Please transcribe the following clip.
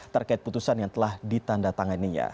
terkait putusan yang telah ditandatanganinya